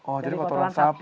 oh jadi kotoran sapi